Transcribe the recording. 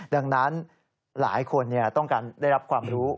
ดังนั้นหลายคนต้องการได้รับความรู้